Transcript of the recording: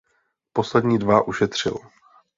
Poslední dva ušetřil.